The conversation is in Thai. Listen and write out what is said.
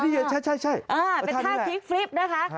เป็นท่าคลิกฟลิปนะคะ